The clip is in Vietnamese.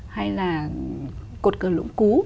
hay là cột cờ lũng cú